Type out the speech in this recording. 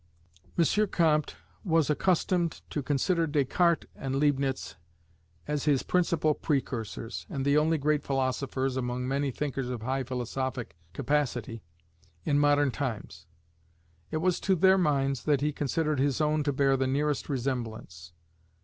M. Comte was accustomed to consider Descartes and Leibnitz as his principal precursors, and the only great philosophers (among many thinkers of high philosophic capacity) in modern times. It was to their minds that he considered his own to bear the nearest resemblance.